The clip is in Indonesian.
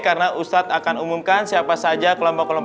karena ustadz akan umumkan siapa saja kelompok kelompoknya